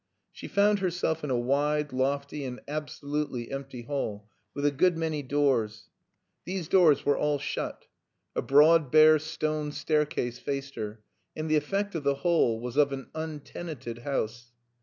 She found herself in a wide, lofty, and absolutely empty hall, with a good many doors. These doors were all shut. A broad, bare stone staircase faced her, and the effect of the whole was of an untenanted house.